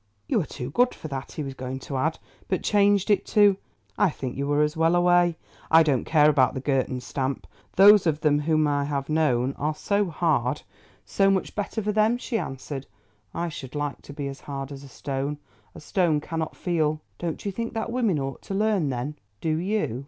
—you are too good for that, he was going to add, but changed it to—"I think you were as well away. I don't care about the Girton stamp; those of them whom I have known are so hard." "So much the better for them," she answered. "I should like to be hard as a stone; a stone cannot feel. Don't you think that women ought to learn, then?" "Do you?"